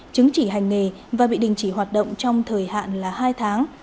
chứng chỉ hành nghề và bị đình chỉ hoạt động trong thời hạn là hai tháng